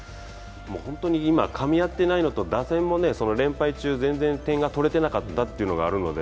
本当に今、かみ合ってないのと、打線も連敗中、全然、点が取れてなかったというのもあるので。